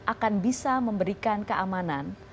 akan bisa memberikan keamanan